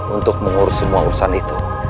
untuk mengurus semua urusan itu